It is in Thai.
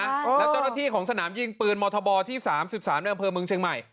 และเจ้าหน้าที่ของสนามยิงปืนมธที่๓๓แม่งเมืองเชียงใหม่